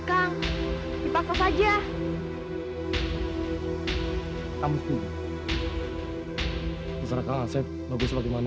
kenapa jadi begini semua arian